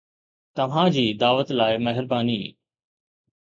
توهان جي دعوت لاء مهرباني